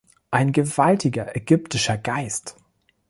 Ein gewaltiger ägyptischer Geist.